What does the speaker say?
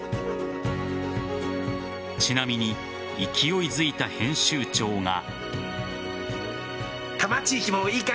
ちなみに勢いづいた編集長が。